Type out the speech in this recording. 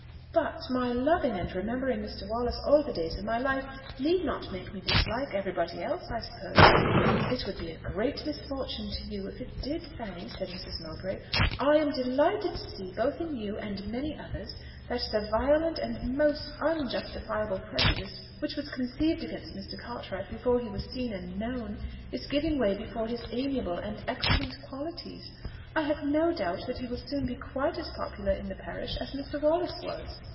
But my loving and remembering Mr. Wallace all the days of my life need not make me dislike everybody else, I suppose?" "It would be a great misfortune to you if it did, Fanny," said Mrs. Mowbray. "I am delighted to see, both in you and many others, that the violent and most unjustifiable prejudice which was conceived against Mr. Cartwright before he was seen and known, is giving way before his amiable and excellent qualities: I have no doubt that he will soon be quite as popular in the parish as Mr. Wallace was."